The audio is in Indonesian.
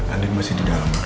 andien masih di dalam